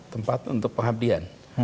tempat untuk pengabdian